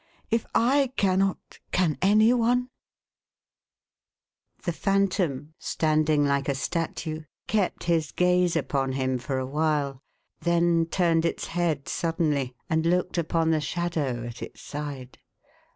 " If I cannot, can any one ?" The Phantom, standing like a statue, kept his gaze upon him for a while; then turned its head suddenly, and looked upon the shadow at its side.